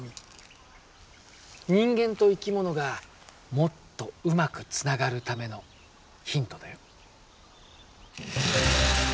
人間と生き物がもっとうまくつながるためのヒントだよ。